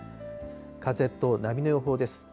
風と波の予報です。